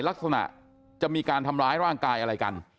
ลักษณะจะมีการทำร้ายร่างกายอะไรกัน